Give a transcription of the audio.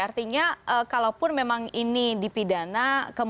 artinya kalaupun memang ini dipidana